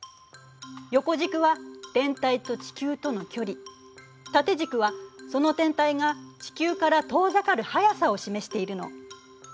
横軸は天体と地球との距離縦軸はその天体が地球から遠ざかる速さを示しているの。